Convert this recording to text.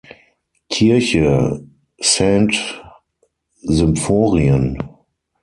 Kirche "Saint-Symphorien"